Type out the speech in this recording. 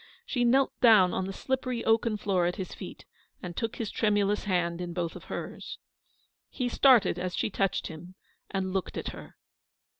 She knelt down on the slippery oaken floor at his feet, and took his tremulous hand in both of hers. He started as she touched him, and looked at her.